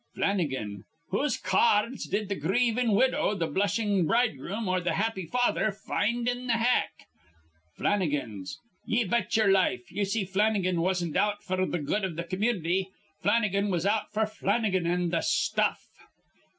Flannigan. Whose ca ards did th' grievin' widow, th' blushin' bridegroom, or th' happy father find in th' hack? Flannigan's. Ye bet ye'er life. Ye see Flannigan wasn't out f'r th' good iv th' community. Flannigan was out f'r Flannigan an' th' stuff.